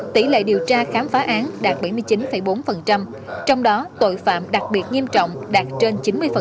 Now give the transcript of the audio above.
tỷ lệ điều tra khám phá án đạt bảy mươi chín bốn trong đó tội phạm đặc biệt nghiêm trọng đạt trên chín mươi